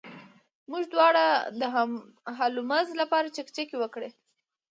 موږ دواړو د هولمز لپاره چکچکې وکړې.